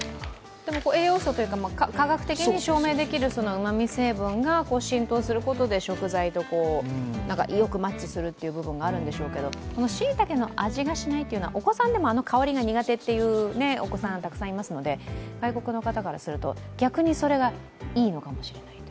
栄養素というか、科学的に証明できるうまみ成分が浸透することで食材とよくマッチする部分があるんでしょうけどこのしいたけの味がしないというのは、お子さんでもあの香りが苦手というお子さんたくさんいますので、外国の方からすると、逆にそれがいいのかもしれない。